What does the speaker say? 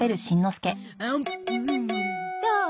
どう？